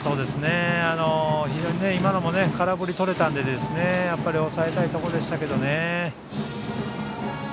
非常に今のも空振りをとれたので抑えたいところでしたけどね。